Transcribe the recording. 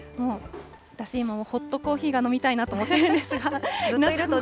私、今、ホットコーヒーが飲みたいなと思っているんですが。